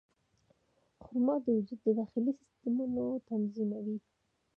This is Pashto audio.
خرما د وجود د داخلي سیستمونو تنظیموي.